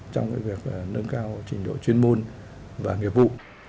trong việc nâng cao trình độ chuyên môn và nghiệp vụ